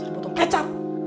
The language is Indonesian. eh bisa dipotong kecap